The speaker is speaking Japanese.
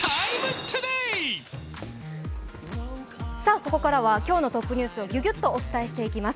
ここからは今日のトップニュースをギュギュッとお伝えしてまいります。